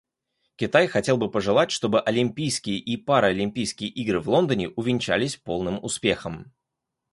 Китай хотел бы пожелать, чтобы Олимпийские и Паралимпийские игры в Лондоне увенчались полным успехом.